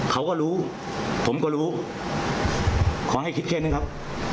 เขาก็รู้ผมก็รู้ขอให้คิดแค่นี้ครับ